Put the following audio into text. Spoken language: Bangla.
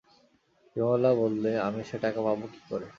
বিমলা বললে, আমি সে টাকা পাব কী করে?